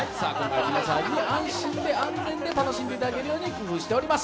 今回、安心、安全に楽しんでいただけるように工夫しております。